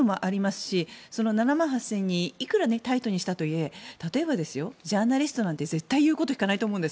その７万８０００人をいくらタイトにしたとはいえ例えば、ジャーナリストなんて絶対、言うことを聞かないと思うんです。